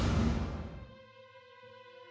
หากสนุกจากการอาชิม